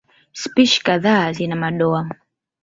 Spishi kadhaa zina madoa.